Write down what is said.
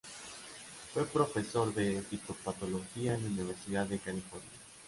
Fue profesor de Fitopatología en la Universidad de California.